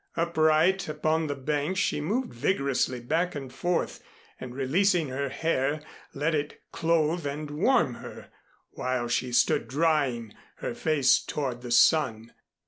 Upright upon the bank she moved vigorously back and forth, and releasing her hair, let it clothe and warm her, while she stood drying, her face toward the sun.